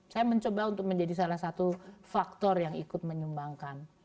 saya mencoba untuk menjadi salah satu faktor yang ikut menyumbangkan